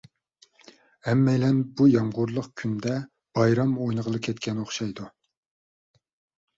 ھەممەيلەن بۇ يامغۇرلۇق كۈندە بايرام ئوينىغىلى كەتكەن ئوخشايدۇ.